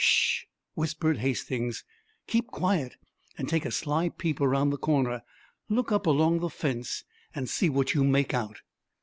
"Sh!" whispered Hastings. "Keep quiet and take a sly peep around the corner. Look up along the fence and see what you make out."